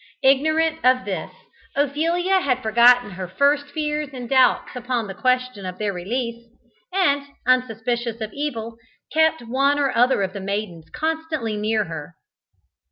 Ignorant of this, Ophelia had forgotten her first fears and doubts upon the question of their release, and, unsuspicious of evil, kept one or other of the maidens constantly near her.